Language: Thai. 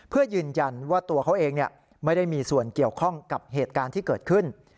เพื่อยืนยันว่าตัวเขาเองไม่ได้มีส่วนเกี่ยวข้องกับเหตุการณ์ที่เกิดขึ้น